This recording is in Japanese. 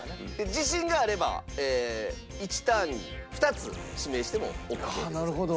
自信があれば１ターンに２つ指名してもオーケーでございます。